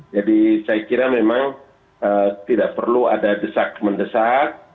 jadi saya kira memang tidak perlu ada desak mendesak